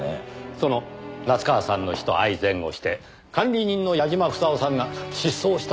その夏河さんの死と相前後して管理人の矢嶋房夫さんが失踪したと聞いていますが。